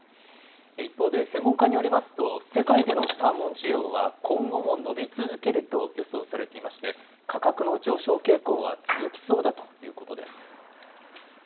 一方で、専門家によりますと、世界でのサーモン需要は、今後も伸び続けると予想されていまして、価格の上昇傾向は続きそうだということです。